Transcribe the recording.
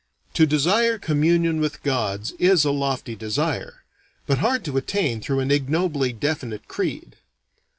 To desire communion with gods is a lofty desire, but hard to attain through an ignobly definite creed.